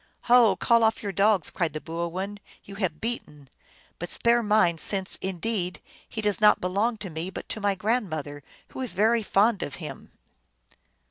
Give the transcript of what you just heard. " Ho ! call off your dogs !" cried the boo oin ; "you have beaten. But spare mine, since, indeed, he does not belong to me, but to my grandmother, who is very fond of him."